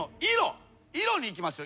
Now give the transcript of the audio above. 色にいきましょ。